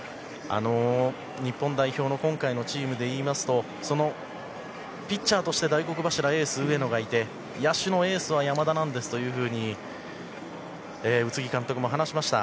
日本代表の今回のチームでいいますとピッチャーとして大黒柱エース上野がいて野手のエースは山田なんですというふうに宇津木監督も話しました。